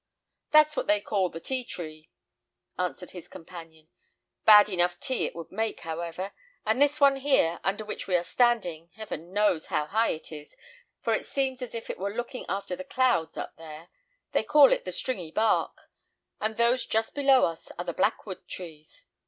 "That's what they call the tea tree," answered his companion; "bad enough tea it would make, however; and this one here, under which we are standing heaven knows how high it is, for it seems as if it were looking after the clouds up there they call the stringy bark, and those just below us are the blackwood trees.